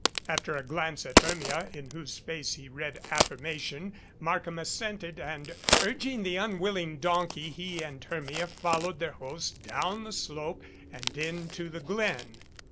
After a glance at Hermia, in whose face he read affirmation, Markham as sented, and urging the unwilling donkey, he and Hermia followed their host down the slope and into the glen.